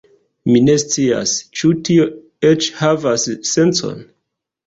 Mi ne scias, ĉu tio eĉ havas sencon